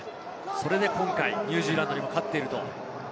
それで今回、ニュージーランドに勝っていると。